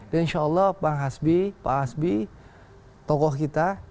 dan insya allah pak hasbi pak hasbi tokoh kita